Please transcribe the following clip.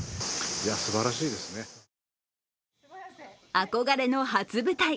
憧れの初舞台。